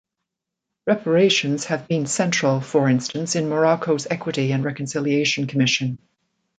Reparations have been central, for instance, in Morocco's Equity and Reconciliation Commission.